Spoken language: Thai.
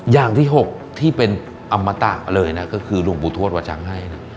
อย่างที่๖ที่เป็นอมตะเลยนะก็คือลุงปุทธวจังให้